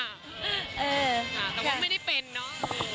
แต่ว่าไม่ได้เป็นเนอะ